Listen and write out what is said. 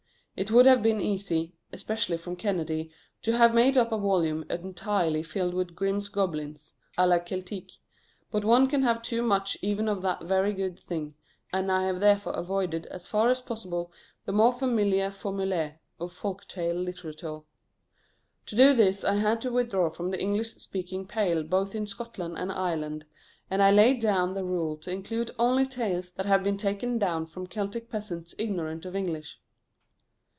It would have been easy, especially from Kennedy, to have made up a volume entirely filled with "Grimm's Goblins" á la Celtique. But one can have too much even of that very good thing, and I have therefore avoided as far as possible the more familiar "formulæ" of folk tale literature. To do this I had to withdraw from the English speaking Pale both in Scotland and Ireland, and I laid down the rule to include only tales that have been taken down from Celtic peasants ignorant of English.